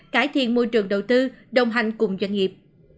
cải thiện môi trường đầu tư đồng hành cùng doanh nghiệp